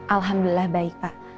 alhamdulillah baik pak